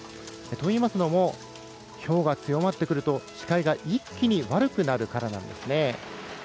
といいますのもひょうが強まってくると視界が一気に悪くなるからなんですね。